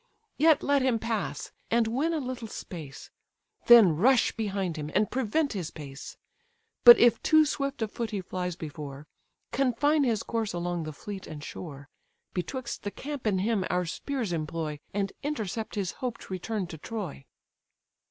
Yet let him pass, and win a little space; Then rush behind him, and prevent his pace. But if too swift of foot he flies before, Confine his course along the fleet and shore, Betwixt the camp and him our spears employ, And intercept his hoped return to Troy."